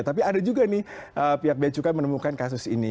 tapi ada juga nih pihak beacukai menemukan kasus ini